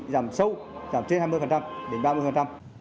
giảm sâu giảm trên hai mươi đến ba mươi